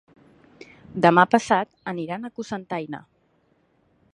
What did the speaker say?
Demà passat aniran a Cocentaina.